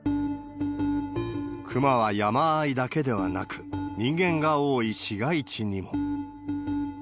クマは山あいだけではなく、人間が多い市街地にも。